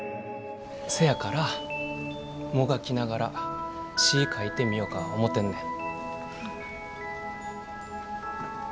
せやからもがきながら詩ぃ書いてみよか思てんねん。